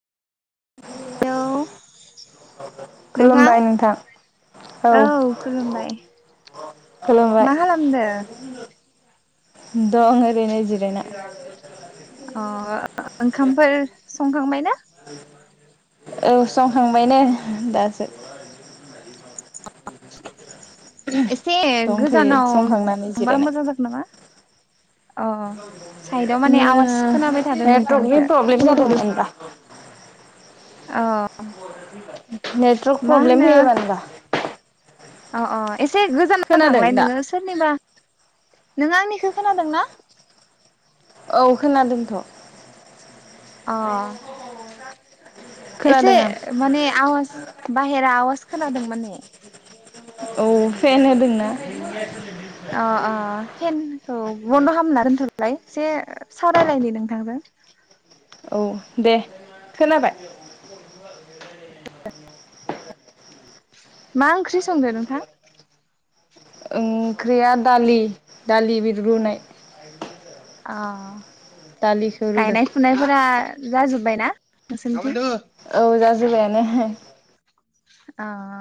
Hello [unintelligible] खुलुमबाय नोंथां औ खुलुमबाय मा खालामदो दं ओरैनो जिरायना अ ओंखामफोर संखांबाय ना? औ संखांबाय नो दासो एसे दंथ'यो गोजानाव‌ संखांनानै थांबा जिरायना मोजां जागोन नामा अ साइदआव माने आवाज खोनाबाय थादों नोंथांनिखौ [unintelligible] अ नेत मा होनो अ अ एसे गोजानाव खोनादों थांलाय दा नोंङो सोरनिबा नों आंनिखौ खोनादों ना? औ खोनादों अ एसे खोनादों आं माने आवाज बाहेरा आवाज खोनादों माने औ फेन होदोंना [unintelligible] अ अ फेनखौ बन्द' खालामना दोनथ'लाय एसे सावरायलायनि नोंथांजों औ दे खोनाबाय मा ओंख्रि संदो नोंथां? ओंख्रिया दालि दालि बि रुनाय अ दालिखौ रुदों गायनाय फुनायफोरा जाजोब्बायना नोंसोरनिथिं औ जाजोबबायानो अ